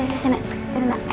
duduk dulu ya